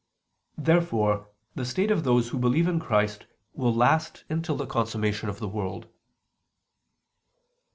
Therefore the state of those who believe in Christ will last until the consummation of the world.